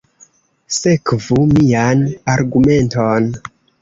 Sekvu mian argumenton.